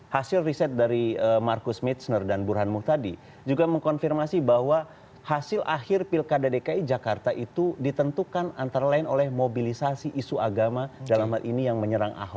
hasil riset dari marcus mitzner dan burhan muhtadi juga mengkonfirmasi bahwa hasil akhir pilkada dki jakarta itu ditentukan antara lain oleh mobilisasi isu agama dalam hal ini yang menyerang ahok